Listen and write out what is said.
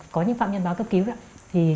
có những phạm nhân báo cấp cứu